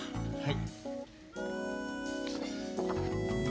はい！